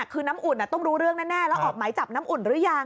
คือน้ำอุ่นต้องรู้เรื่องแน่แล้วออกหมายจับน้ำอุ่นหรือยัง